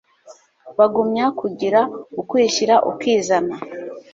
bagumya kugira ukwishyira ukizana